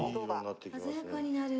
鮮やかになる。